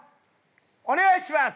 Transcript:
お願いします！